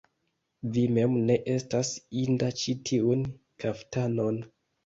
Vi mem ne estas inda ĉi tiun kaftanon!